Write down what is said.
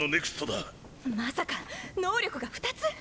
まさか能力が２つ⁉